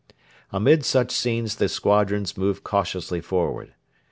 Amid such scenes the squadrons moved cautiously forward.